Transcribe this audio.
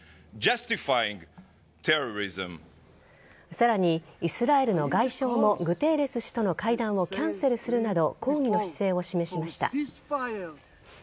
さらに、イスラエルの外相もグテーレス氏との会談をキャンセルするなど抗議の姿勢を示しました。